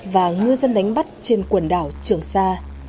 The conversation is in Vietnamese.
và ngư dân đánh bắt trên quần đảo trường sa